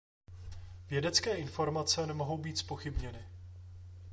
Vědecké informace nemohou být zpochybněny.